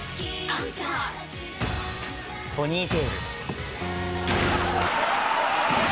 ポニーテール。